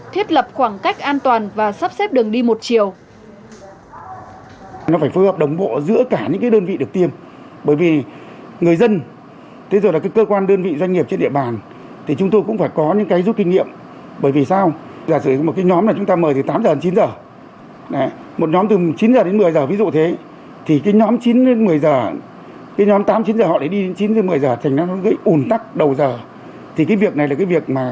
thiết lập khoảng cách an toàn và sắp xếp đường đi một chiều